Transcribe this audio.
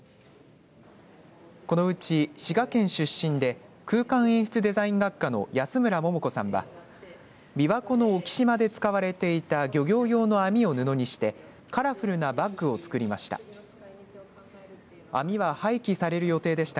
このうち滋賀県出身で空間演出デザイン学科の安村桃子さんは琵琶湖の沖島で使われていた漁業用の網を布にしてカラフルなバッグを作りました。